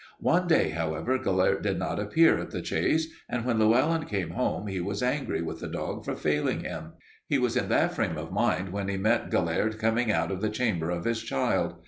"One day, however, Gelert did not appear at the chase and when Llewelyn came home he was angry with the dog for failing him. He was in that frame of mind when he met Gelert coming out of the chamber of his child.